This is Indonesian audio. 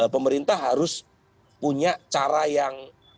pemerintah harus punya cara yang